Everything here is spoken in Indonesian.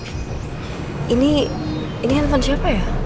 ini handphone siapa ya